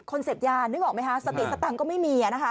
คนเสพยานึกออกมั้ยคะสติศตังค์ก็ไม่มี